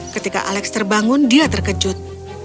ketika alex terbangun dia terkejut